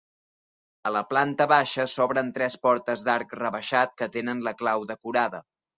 A la planta baixa s'obren tres portes d'arc rebaixat que tenen la clau decorada.